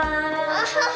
アハハ！